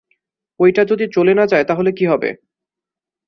ঐটা যদি চলে না যায় তাহলে কি হবে?